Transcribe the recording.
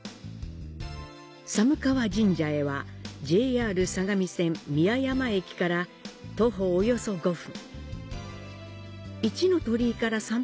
寒川神社へは、ＪＲ相模線宮山駅から徒歩約５分。